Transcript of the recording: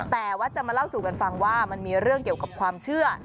แต่ว่าจะมาเล่าสู่กันฟังว่ามันมีเรื่องเกี่ยวกับความเชื่อ